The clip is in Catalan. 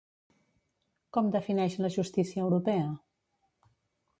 Com defineix la justícia europea?